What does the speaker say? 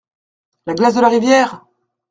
La glace de la rivière !